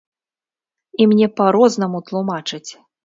І мне па-рознаму тлумачаць!